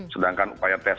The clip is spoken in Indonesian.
sedangkan upaya tes